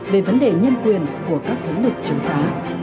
về vấn đề nhân quyền của các thế lực chống phá